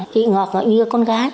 chị ngọc cũng như con gái